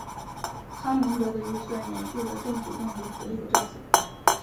哈蒙德的预算延续了政府冻结福利的政策。